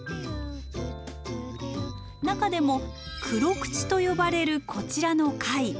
中でも「クロクチ」と呼ばれるこちらの貝。